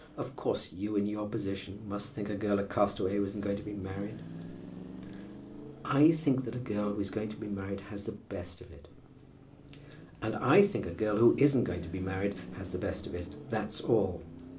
Of course you, in your position, must think a girl a castaway who isn't going to be married?" "I think that a girl who is going to be married has the best of it." "And I think a girl who isn't going to be married has the best of it; that's all.